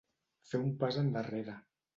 Fer un pas endarrere.